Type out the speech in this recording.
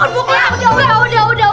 gak usah buka buka